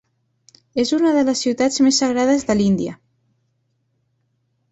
És una de les ciutats més sagrades de l'Índia.